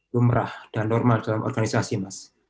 lumrah dan normal dalam organisasi mas